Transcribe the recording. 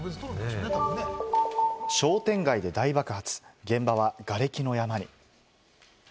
商店街で大爆発、現場は瓦礫の山に。